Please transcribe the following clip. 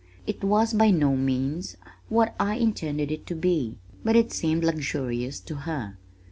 It was by no means what I intended it to be, but it seemed luxurious to her.